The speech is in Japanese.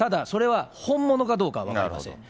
本物かどうかは分かりません。